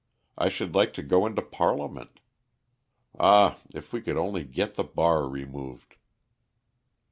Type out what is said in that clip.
I should like to go into Parliament. Ah, if we could only get the bar removed!"